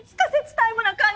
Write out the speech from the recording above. タイムな感じ？